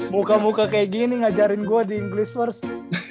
muka muka kayak gini ngajarin gua di english first